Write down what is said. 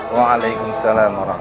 waalaikumsalam warahmatullahi wabarakatuh